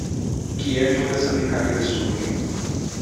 O que é toda essa brincadeira sobre?